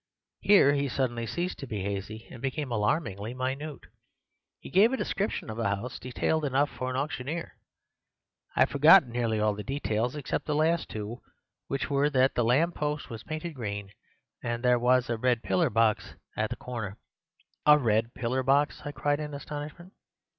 Here he suddenly ceased to be hazy, and became alarmingly minute. He gave a description of the house detailed enough for an auctioneer. I have forgotten nearly all the details except the last two, which were that the lamp post was painted green, and that there was a red pillar box at the corner. "'A red pillar box!' I cried in astonishment.